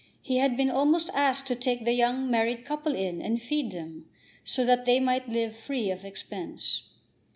He had been almost asked to take the young married couple in, and feed them, so that they might live free of expense.